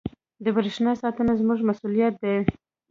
• د برېښنا ساتنه زموږ مسؤلیت دی.